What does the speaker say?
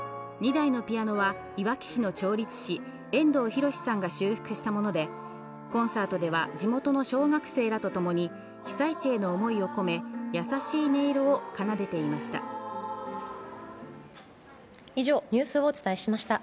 ２台のピアノはいわき市の調律師、遠藤洋さんが修復したもので、コンサートでは地元の小学生らと共に被災地への思いを込め、優しい音色を奏でていました。